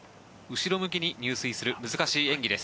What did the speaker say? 後ろ向きに入水する難しい演技です。